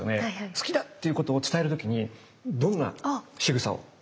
好きだっていうことを伝える時にどんなしぐさを？